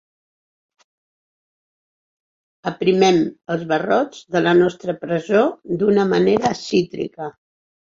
Aprimem els barrots de la nostra presó d'una manera cítrica.